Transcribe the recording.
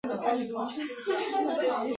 还拿了脚架拍环景